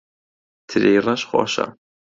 ترێی ڕەش خۆشە.